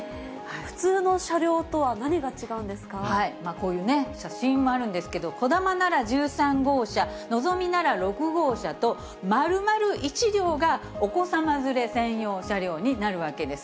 普通の車両とは何が違うんでこういう写真もあるんですけど、こだまなら１３号車、のぞみなら６号車と、丸々１両が、お子さま連れ専用車両になるわけです。